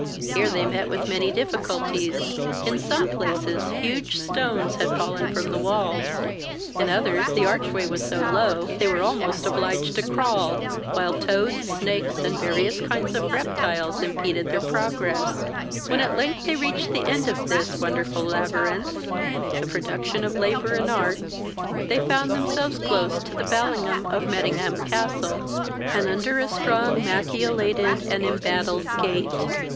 Here they met with many difficulties: in some places huge stones had fallen from the walls, in others the arch way was so low they were almost obliged to crawl, while toads, snakes, and various kinds of reptiles impeded their progress; when, at length, they reached the end of this wonderful labyrinth, the production of labour and art, they found themselves close to the ballium of Mettingham castle, and under a strong machiolated and embattled gate.